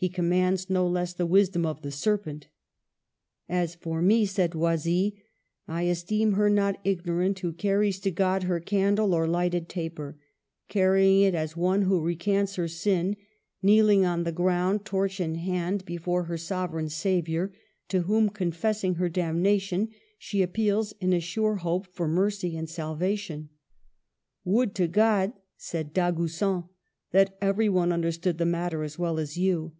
He commands no less the wisdom of the serpent." " x^s for me," said Oisille, " I esteem her not igno rant who carries to God her candle or lighted taper, carrying it as one who recants her sin, kneeling on the ground, torch in hand, before her sovereign Saviour, to whom, confessing her damnation, she appeals in a sure hope for mercy and salvation." '* Would to God," said Dagoucin, " that every one understood the matter as well as you